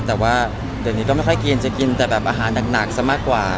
แต่ว่าเดี๋ยวนี้ก็ไม่ค่อยกินจะกินแต่แบบอาหารหนักซะมากกว่า